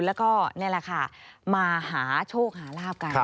แล้วก็นี่แหละค่ะมาหาโชคหาลาบกัน